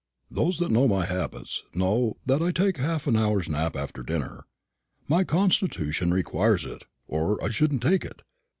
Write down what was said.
"Those that know my habits know that I take half an hour's nap after dinner. My constitution requires it, or I shouldn't take it.